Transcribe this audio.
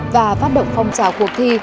và phát động phong trào cuộc thi